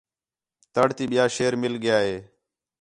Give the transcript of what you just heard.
تَڑ تی ٻِیا شیر مِل ڳِیا ہِے